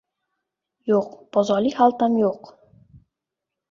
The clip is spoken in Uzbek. Yo‘q, bozorlik xaltam yo‘q.